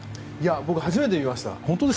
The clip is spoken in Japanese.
僕、初めて見ました。